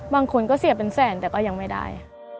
บางคนก็เสียเป็นแสนแต่ก็ยังไม่ได้